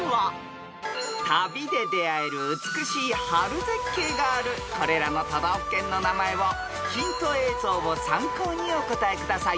［旅で出合える美しい春絶景があるこれらの都道府県の名前をヒント映像を参考にお答えください］